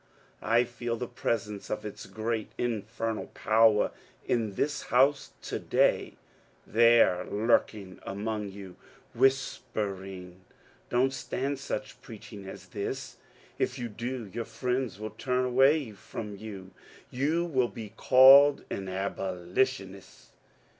... I feel the presence of its great infernal power in this house to day, — there lurking among you, whispering, *^ Don't stand such preaching as this ; if you do your friends will turn away from you, and you will be called an aboli tionist."